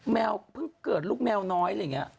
แมวเพิ่งเกิดลูกแมวน้อยอะไรอย่างนี้